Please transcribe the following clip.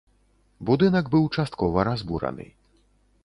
Будынак быў часткова разбураны.